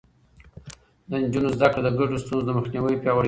د نجونو زده کړه د ګډو ستونزو مخنيوی پياوړی کوي.